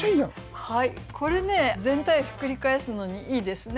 これね全体をひっくり返すのにいいですね